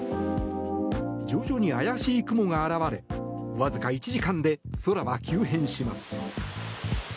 徐々に怪しい雲が現れわずか１時間で空は急変します。